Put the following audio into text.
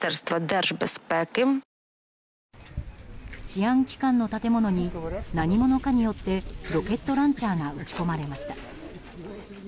治安機関の建物に何者かによってロケットランチャーが撃ち込まれました。